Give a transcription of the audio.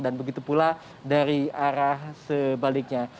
dan begitu pula dari arah sebaliknya